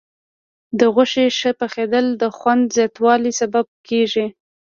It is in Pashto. د غوښې ښه پخېدل د خوند زیاتوالي سبب کېږي.